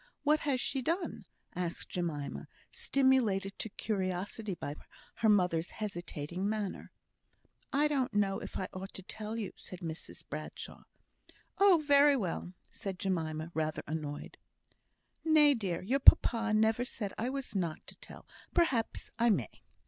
What has she done?" asked Jemima, stimulated to curiosity by her mother's hesitating manner. "I don't know if I ought to tell you," said Mrs Bradshaw. "Oh, very well!" said Jemima, rather annoyed. "Nay, dear! your papa never said I was not to tell; perhaps I may."